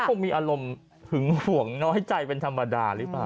คงมีอารมณ์หึงห่วงน้อยใจเป็นธรรมดาหรือเปล่า